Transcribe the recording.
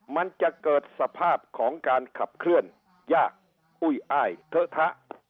มันจะเกิดสภาพของการขับเคลื่อนยากอุ้ยอ้ายเทอะทะ